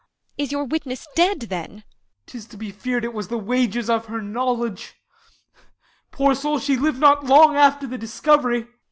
Is your witness dead then ? Als. 'Tis to be fear'd It was the wages of her knowledge; poor soul, She liv'd not long after the discovery.